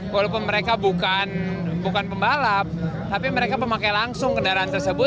walaupun mereka bukan pembalap tapi mereka memakai langsung kendaraan tersebut